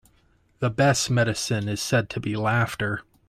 The best medicine is said to be laughter.